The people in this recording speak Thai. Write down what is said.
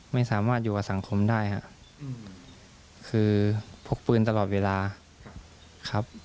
ไม่สามารถอยู่กับสังคมได้ครับคือพกปืนตลอดเวลาครับ